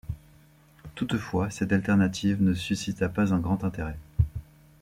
Toutefois cette alternative ne suscita pas un grand intérêt.